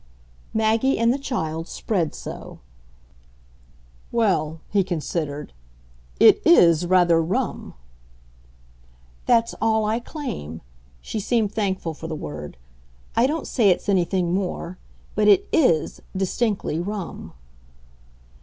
"Maggie and the child spread so." Well, he considered. "It IS rather rum," "That's all I claim" she seemed thankful for the word. "I don't say it's anything more but it IS, distinctly, rum."